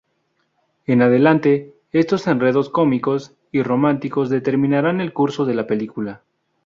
En adelante, estos enredos cómicos y románticos determinarán el curso de la película.